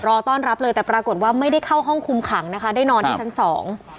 รอต้อนรับเลยแต่ปรากฏว่าไม่ได้เข้าห้องคุมขังนะคะได้นอนที่ชั้นสอง